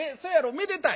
めでたい。